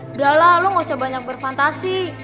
udah lah lo gak usah banyak berfantasi